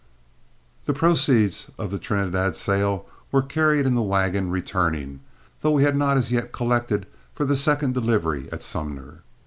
The proceeds of the Trinidad sale were carried in the wagon returning, though we had not as yet collected for the second delivery at Sumner.